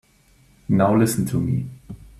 Now listen to me.